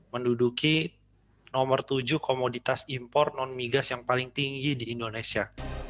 menduduki nomor tujuh komoditas impor non migas yang paling tinggi di indonesia